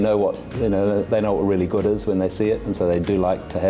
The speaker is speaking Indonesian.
jadi kalau anda lihat ke termasuk perbelanjaan daerah apa yang kami uapkan ke indonesia